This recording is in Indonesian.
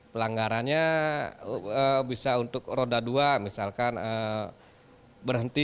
pelanggarannya bisa untuk roda dua misalkan berhenti